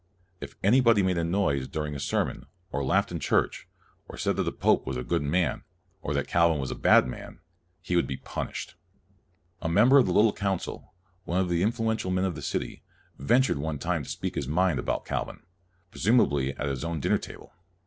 If anybody made a noise during a sermon, or laughed in church, or said that the pope was a good man, or that Calvin was a bad man, he was punished. A mem CALVIN 115 her of the Little Council, one of the influ ential men of the city, ventured one time to speak his mind about Calvin, presum ably at his own dinner table.